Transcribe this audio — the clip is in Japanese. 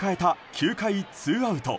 ９回ツーアウト。